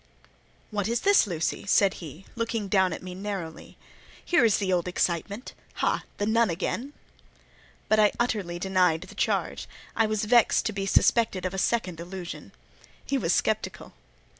"What is this, Lucy?" said he, looking down at me narrowly. "Here is the old excitement. Ha! the nun again?" But I utterly denied the charge: I was vexed to be suspected of a second illusion. He was sceptical.